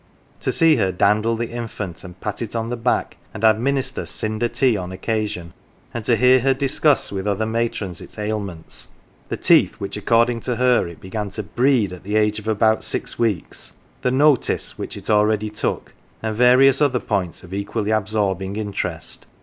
To see her dandle the infant, and pat it on the back, and administer " cinder tea " on occasion ; and to hear her discuss with other matrons its ailments: the teeth which according to her it began to "breed" at the age of 32 GAFFER'S CHILD about six weeks, the " notice " which it already took, and various other points of equally absorbing interest.